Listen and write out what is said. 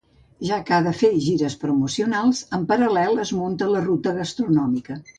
Ja que ha de fer gires promocionals, en paral·lel es munta la ruta gastronòmica.